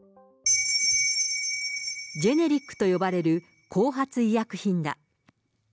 ジェネリックと呼ばれる後発医薬品だ。